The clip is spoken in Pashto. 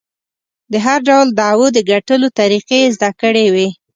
د هر ډول دعوو د ګټلو طریقې یې زده کړې وې.